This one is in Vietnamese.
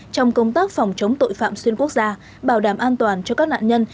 trong công tác phòng chống tội phạm xuyên quốc gia bảo đảm an toàn cho các nạn nhân